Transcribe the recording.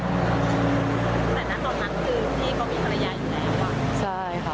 แต่ตอนนั้นคือพี่เขามีฆรยายอยู่ไหนหรือเปล่า